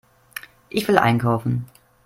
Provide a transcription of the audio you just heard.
Ich will einkaufen.